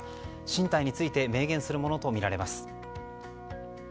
進退について明言するものとみられます。